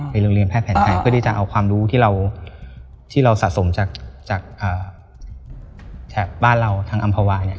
โรงเรียนแพทย์แผนไทยเพื่อที่จะเอาความรู้ที่เราสะสมจากแถบบ้านเราทางอำภาวาเนี่ย